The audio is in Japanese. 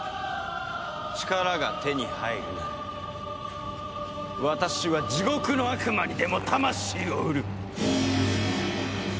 力が手に入るなら私は地獄の悪魔にでも魂を売る！